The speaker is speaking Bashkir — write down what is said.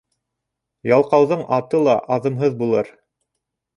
Ялҡауҙың аты ла аҙымһыҙ булыр.